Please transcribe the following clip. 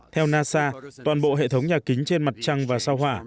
theo nasa toàn bộ hệ thống nhà kính trên mặt trăng và sao hỏa